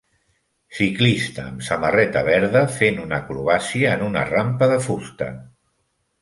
Ciclista amb samarreta verda fent una acrobàcia en una rampa de fusta